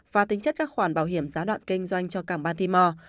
và tính chất các khoản bảo hiểm giá đoạn kinh doanh cho cảng batimore